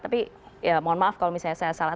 tapi ya mohon maaf kalau misalnya saya salah